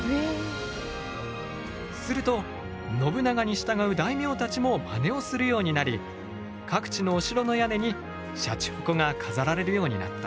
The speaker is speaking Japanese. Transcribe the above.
すると信長に従う大名たちもまねをするようになり各地のお城の屋根にシャチホコが飾られるようになった。